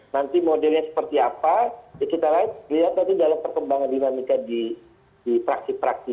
nanti modelnya seperti apa ya kita lihat nanti dalam perkembangan dinamika di praksi praksi